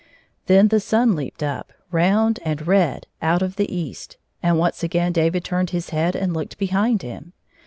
Then the sun leaped up round and red out of the east, and once again David turned his head and looked behind him.